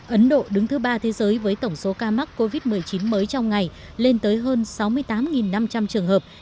ấn độ đứng thứ ba thế giới với tổng số ca mắc covid một mươi chín mới trong ngày lên tới hơn sáu mươi tám năm trăm linh trường hợp